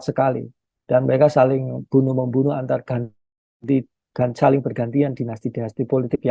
sekali dan mereka saling bunuh membunuh antar ganti dan saling bergantian dinasti dinasti politik